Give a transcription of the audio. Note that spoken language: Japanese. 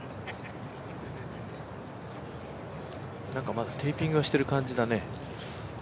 まだテーピングはしてる感じだね。